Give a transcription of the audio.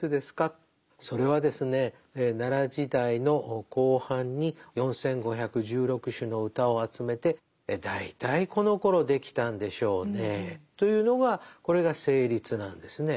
それはですね奈良時代の後半に４，５１６首の歌を集めて大体このころ出来たんでしょうねというのがこれが「成立」なんですね。